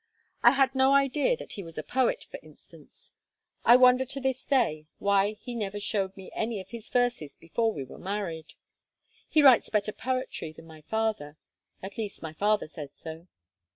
I had no idea that he was a poet, for instance. I wonder to this day why he never showed me any of his verses before we were married. He writes better poetry than my father, at least my father says so.